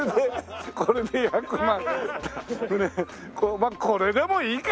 まあこれでもいいか！